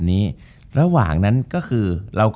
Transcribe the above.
จบการโรงแรมจบการโรงแรม